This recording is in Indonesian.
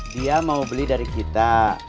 dia mau beli dari kita